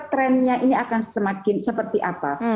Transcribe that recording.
trendnya ini akan semakin seperti apa